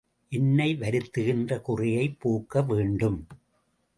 என்னை வருத்துகின்ற குறையைப் போக்க வேண்டும்.